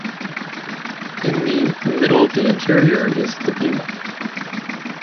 In the middle of the interior is the Bema.